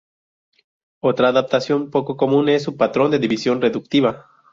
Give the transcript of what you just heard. Otra adaptación poco común es su patrón de división reductiva.